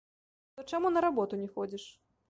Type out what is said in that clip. То чаму на работу не ходзіш?